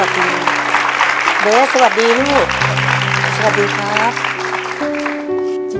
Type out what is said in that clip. ติดตามต่อไป